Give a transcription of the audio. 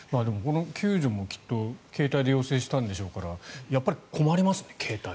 救助もきっと携帯で要請したんでしょうからやっぱり困りますね、携帯。